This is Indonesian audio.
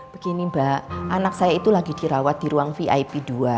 begini mbak anak saya itu lagi dirawat di ruang vip dua